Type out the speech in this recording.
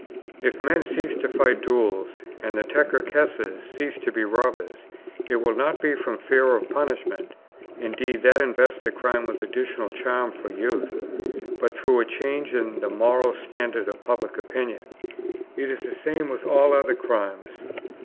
If men cease to fight duels, and the Tcherkesses cease to be robbers, it will not be from fear of punishment (indeed, that invests the crime with additional charm for youth), but through a change in the moral standard of public opinion. It is the same with all other crimes.